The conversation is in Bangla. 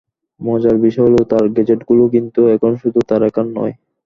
মজার বিষয় হলো, তাঁর গ্যাজেটগুলো কিন্তু এখন শুধু তাঁর একার নয়।